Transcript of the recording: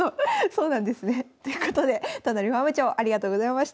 そうなんですね。ということで都成ファーム長ありがとうございました。